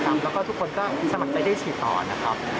แล้วก็ทุกคนก็สมัครใจได้ฉีดต่อนะครับ